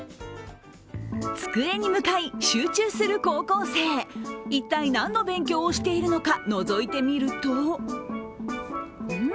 机に向かい、集中する高校生一体何の勉強をしているのか、のぞいてみるとん？